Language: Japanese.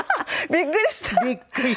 びっくりした突然。